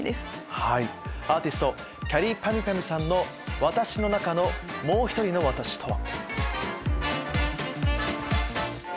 はいアーティストきゃりーぱみゅぱみゅさんの「私の中の、もうひとりのワタシ。」とは？